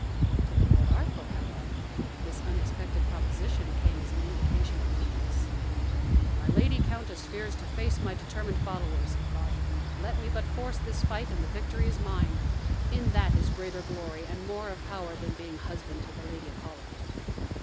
To the Lord Arkell, however, this unexpected proposition came as an indication of weakness. "My lady countess fears to face my determined followers," he thought. "Let me but force this fight and the victory is mine. In that is greater glory and more of power than being husband to the Lady of Holland."